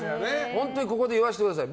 本当にここで言わせてください。